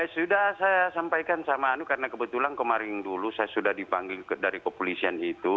sudah saya sampaikan sama anu karena kebetulan kemarin dulu saya sudah dipanggil dari kepolisian itu